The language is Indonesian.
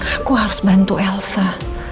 aku harus bantu elsa